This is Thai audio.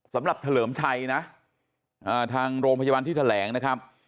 สำหรับเถลมไชนะทางโรงพยาบาลที่แถลงนะครับ